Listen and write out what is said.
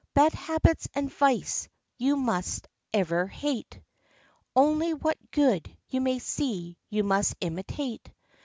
Bad habits and vice you must ever hate ; Only what good you may see you must imitate.